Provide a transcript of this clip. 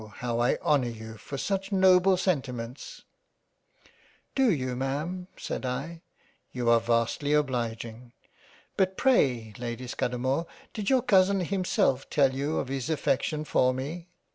how I honour you for such Noble Senti ments !"" Do you Ma'am ? said I ; You are vastly obliging. But pray Lady Scudamore did your Cousin himself tell you of his affection for me